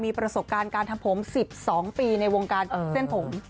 มีประสบการณ์การทำผม๑๒ปีในวงการเส้นผม